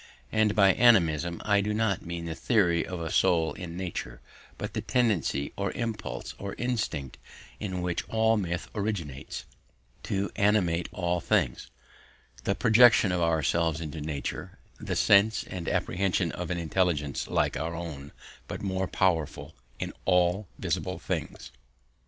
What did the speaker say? And by animism I do not mean the theory of a soul in nature, but the tendency or impulse or instinct, in which all myth originates, to animate all things; the projection of ourselves into nature; the sense and apprehension of an intelligence like our own but more powerful in all visible things.